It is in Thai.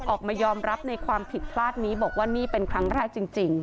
ออกมายอมรับในความผิดพลาดนี้บอกว่านี่เป็นครั้งแรกจริง